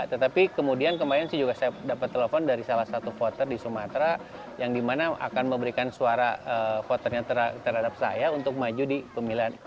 tetapi kemudian kemarin sih juga saya dapat telepon dari salah satu voter di sumatera yang dimana akan memberikan suara voternya terhadap saya untuk maju di pemilihan